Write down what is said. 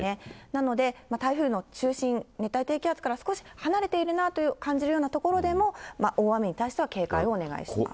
なので台風の中心、熱帯低気圧から少し離れているなという感じるような所でも、大雨に対しては警戒をお願いします。